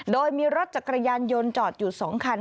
โดยมีรถจักรยานยนต์จอดอยู่๒คัน